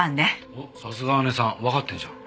おっさすが姐さんわかってるじゃん。